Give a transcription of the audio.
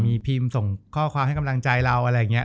มีพิมพ์ส่งข้อความให้กำลังใจเรา